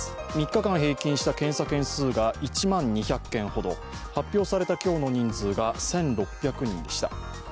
３日間平均した検査件数が１万２００件ほど、発表された今日の人数が１６００人でした。